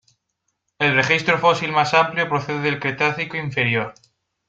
El registro fósil más amplio procede del Cretácico Inferior.